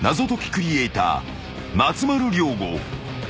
クリエーター松丸亮吾］